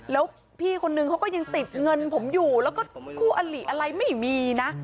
แล้วพี่คนนึงเขาก็ยังติดเงินผมอยู่แล้วก็คู่อลิอะไรไม่มีนะ